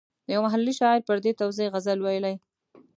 یو محلي شاعر پر دې توزېع غزل ویلی.